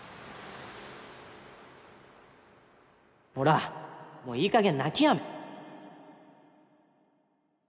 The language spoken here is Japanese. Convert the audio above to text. ほらもういいかげん泣きやめ。